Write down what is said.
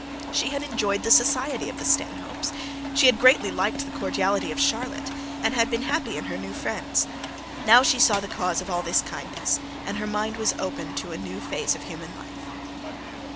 She had enjoyed the society of the Stanhopes, she had greatly liked the cordiality of Charlotte, and had been happy in her new friends. Now she saw the cause of all that kindness, and her mind was opened to a new phase of human life.